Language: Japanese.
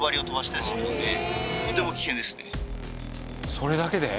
それだけで？